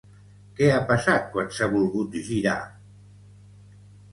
Què ha passat quan s'ha volgut girar?